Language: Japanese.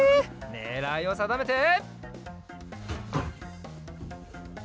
ねらいをさだめて。